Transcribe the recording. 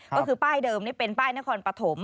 ก็คือป้ายเดิมนี่เป็นป้ายนครปฐม